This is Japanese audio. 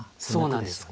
そうなんです